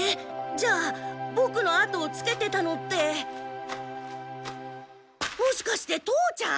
じゃあボクの後をつけてたのってもしかして父ちゃん？